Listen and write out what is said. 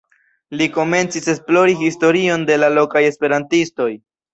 Li komencis esplori historion de la lokaj esperantistojn.